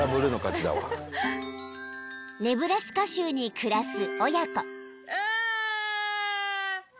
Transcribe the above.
［ネブラスカ州に暮らす親子］